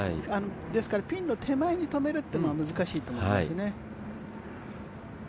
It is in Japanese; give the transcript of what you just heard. ですからピンの手前に止めるというのは難しいと思いますね。